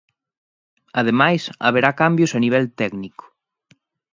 Ademais, haberá cambios a nivel técnico.